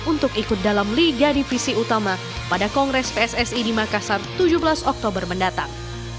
untuk ikut dalam liga divisi utama pada kongres pssi di makassar tujuh belas oktober mendatang